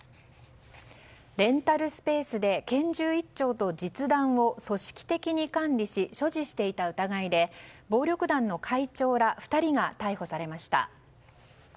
レンタルスペースで拳銃１丁と実弾を組織的に管理し所持していた疑いで暴力団の会長ら２人が逮捕されました。